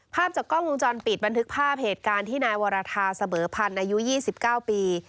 ภาพจากกล้องวงจรปิดบันทึกภาพเหตุการณ์ที่นายวรทาเสมอพันธ์อายุ๒๙ปี